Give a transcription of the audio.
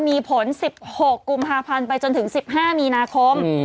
มีผล๑๖กุมภาพันธ์ไปจนถึง๑๕มีนาคม